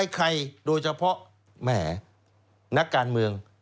ใครโดยเฉพาะแหมนักการเมือง